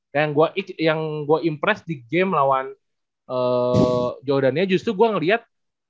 yang gue impress di game lawan joe dania justru gue ngeliat